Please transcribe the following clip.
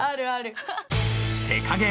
「セカゲー！」